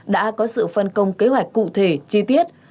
đã có sự phân công kế hoạch cụ thể chi tiết